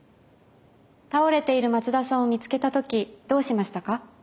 倒れている松田さんを見つけた時どうしましたか？